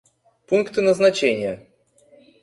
Пункты назначения